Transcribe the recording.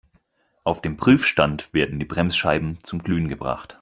Auf dem Prüfstand werden die Bremsscheiben zum Glühen gebracht.